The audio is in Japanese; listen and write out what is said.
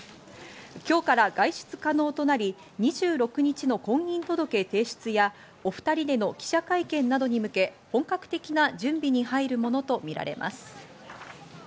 今日から外出可能となり、２６日の婚姻届提出やお２人での記者会見などに向け、本格的な準備に入るものとみられます。